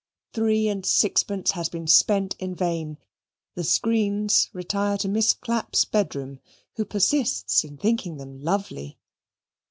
Three and sixpence has been spent in vain the screens retire to Miss Clapp's bedroom, who persists in thinking them lovely.